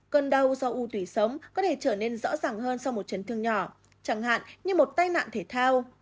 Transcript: cơn đau do u tủy sống có thể trở nên rõ ràng hơn sau một chấn thương nhỏ chẳng hạn như một tai nạn thể thao